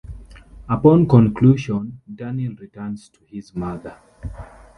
Upon conclusion, Daniel returns to his mother.